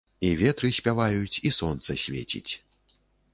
І ветры спяваюць, і сонца свеціць.